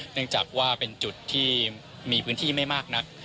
เนื่องจากว่าเป็นจุดที่มีพื้นที่ไม่มากนัก